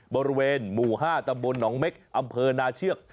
บริเวณหมู่๕ตำบลหนองเม็กอำเภอนาเชือก